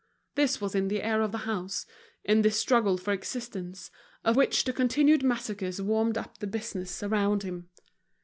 This was in the air of the house, in this struggle for existence, of which the continued massacres warmed up the business around him.